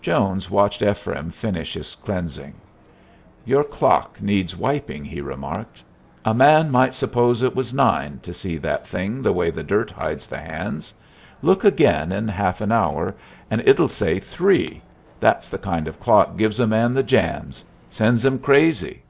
Jones watched Ephraim finish his cleansing. "Your clock needs wiping," he remarked. "A man might suppose it was nine, to see that thing the way the dirt hides the hands. Look again in half an hour and it'll say three. That's the kind of clock gives a man the jams. Sends him crazy."